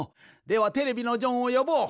ではテレビのジョンをよぼう！